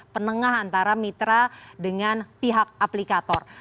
penengah antara mitra dengan pihak aplikator